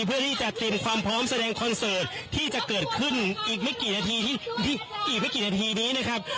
เพื่อที่จะจินความพร้อมแสดงคอนเซิร์ตที่จะเกิดขึ้นอีกไม่กี่นาทีนี้นะครับ